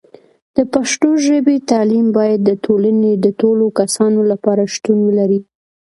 د پښتو ژبې تعلیم باید د ټولنې د ټولو کسانو لپاره شتون ولري.